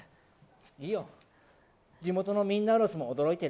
いいよ、地元のミンナウロスも驚いてる。